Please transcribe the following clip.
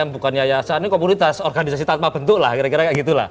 bukan yayasan ini komunitas organisasi tanpa bentuk lah kira kira kayak gitu lah